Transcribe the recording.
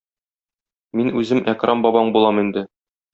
Мин үзем Әкрам бабаң булам инде.